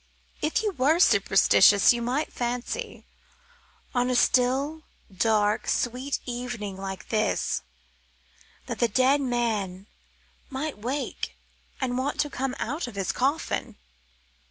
If you were superstitious you might fancy, on a still, dark, sweet evening like this, that the dead man might wake and want to come up out of his coffin.